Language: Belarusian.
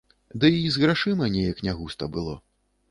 Ды і з грашыма неяк не густа было.